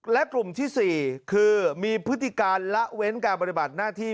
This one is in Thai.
และกลุ่มที่๔คือมีพฤติการละเว้นการปฏิบัติหน้าที่